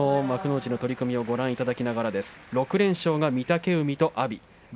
幕内の取組をご覧いただきながら６連勝が御嶽海と阿炎です。